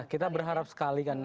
kita berharap sekali kan